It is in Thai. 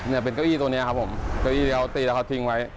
เนี่ยเป็นเก้าอี้ตัวนี้ครับผมเก้าอี้ที่เขาตีแล้วเขาทิ้งไว้